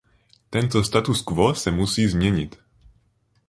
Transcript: Tento status quo se musí změnit!